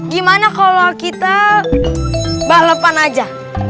gimana kalau kita balepan aja